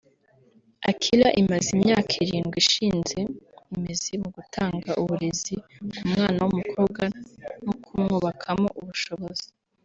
Akilah imaze imyaka irindwi ishinze imizi mu gutanga uburezi ku mwana w’umukobwa no kumwubakamo ubushobozi